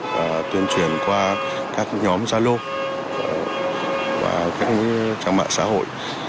và tuyên truyền qua các nhóm gia lô và các trang mạng xã hội